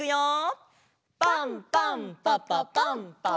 パンパンパパパンパパパパン！